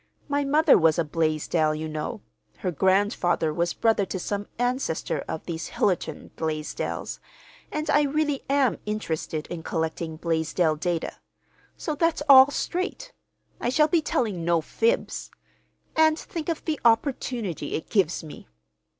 My mother was a Blaisdell, you know. Her grandfather was brother to some ancestor of these Hillerton Blaisdells; and I really am interested in collecting Blaisdell data. So that's all straight. I shall be telling no fibs. And think of the opportunity it gives me!